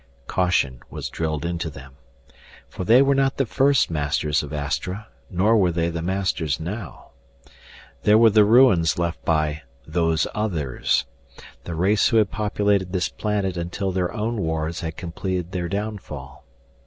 Caution was drilled into them. For they were not the first masters of Astra, nor were they the masters now. There were the ruins left by Those Others, the race who had populated this planet until their own wars had completed their downfall.